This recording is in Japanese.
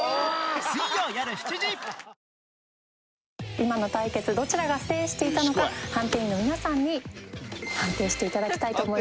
今の対決どちらが制していたのか判定員の皆さんに判定して頂きたいと思います。